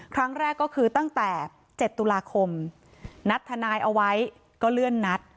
ครั้งแรกก็คือตั้งแต่๗ตุลาคมนัดทนายเอาไว้ก็เลื่อนนัด